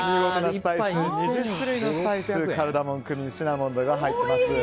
２０種類のスパイスカルダモン、クミンシナモンなどが入ってます。